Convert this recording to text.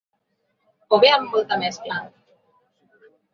O ve amb molta mescla?